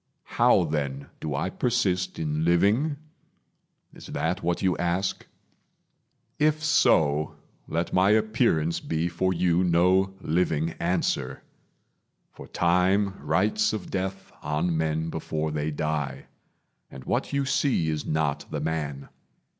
How then do I Persist in living? Is that what you ask? If so, let my appearance be for you No living answer; for Time writes of death On men before they die, and what you see Is not the man.